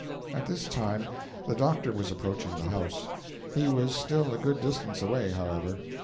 At this time the doctor was approaching the house. He was still a good distance away, however.